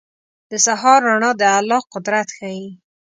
• د سهار رڼا د الله قدرت ښيي.